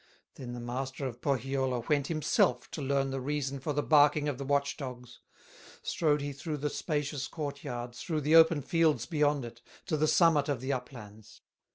Then the master of Pohyola Went himself to learn the reason For the barking of the watch dogs; Strode he through the spacious court yard, Through the open fields beyond it, To the summit of the uplands.